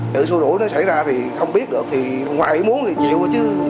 nếu xua đuổi nó xảy ra thì không biết được thì ngoài muốn thì chịu thôi